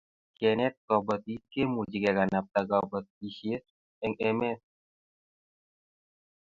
Kenet kobotik kemuchi kekanabta kobotisiet eng emet